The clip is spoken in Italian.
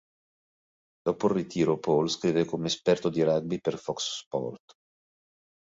Dopo il ritiro Paul scrive come esperto di rugby per Fox Sports.